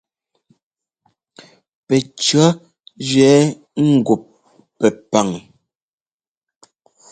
Pɛcʉ̈ jʉɛ ŋgup Pɛpaŋ.